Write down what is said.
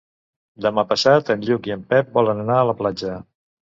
Demà passat en Lluc i en Pep volen anar a la platja.